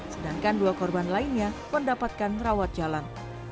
sedangkan dua korban lainnya mendapatkan rawat jalan